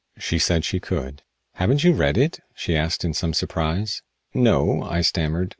She said she could. "Haven't you read it?" she asked in some surprise. "No," I stammered.